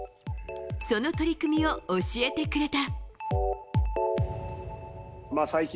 その取り組みを教えてくれた。